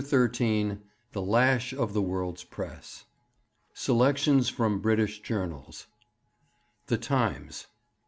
XIII THE LASH OF THE WORLD'S PRESS SELECTIONS FROM BRITISH JOURNALS _The Times.